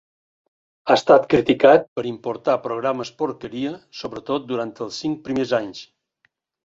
Ha estat criticat per importar "programes porqueria", sobretot durant els cinc primers anys.